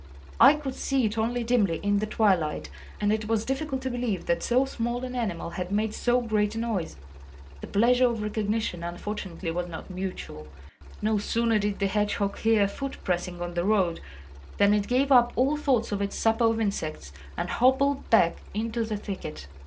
I could see it only dimly in the twilight, and it was difficult to believe that so small an animal had made so great a noise. The pleasure of recognition, unfortunately, was not mutual. No sooner did the hedgehog hear a foot pressing on the road than it gave up all thoughts of its supper of insects and hobbled back into the thicket.